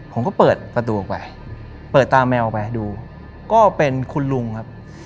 ผมก็เปิดประตูออกไปเปิดตาแมวไปดูก็เป็นคุณลุงครับ